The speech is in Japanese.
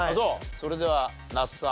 それでは那須さん